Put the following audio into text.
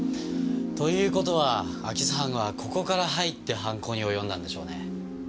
という事は空き巣犯はここから入って犯行に及んだんでしょうね。